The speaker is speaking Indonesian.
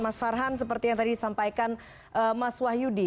mas farhan seperti yang tadi disampaikan mas wahyudi